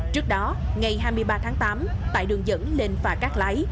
trước đó ngày hai mươi ba tháng tám tại đường dẫn lên phà cát lái